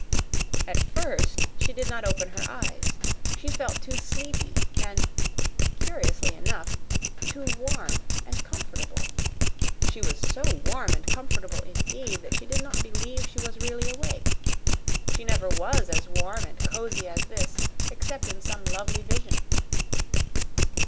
At first she did not open her eyes. She felt too sleepy and curiously enough too warm and comfortable. She was so warm and comfortable, indeed, that she did not believe she was really awake. She never was as warm and cozy as this except in some lovely vision.